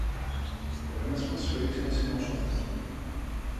Ο ένας μας σφύριξε να σιμώσομε